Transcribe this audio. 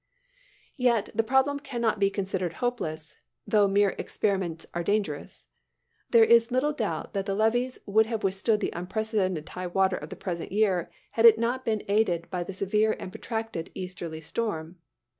Yet, the problem can not be considered hopeless, though mere experiments are dangerous. There is little doubt that the levees would have withstood the unprecedented high water of the present year, had it not been aided by the severe and protracted easterly storm.